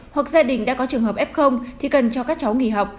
hoặc gia đình đã có trường hợp f thì cần cho các cháu nghỉ học